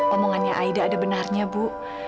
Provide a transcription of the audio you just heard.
omongannya aida ada benarnya bu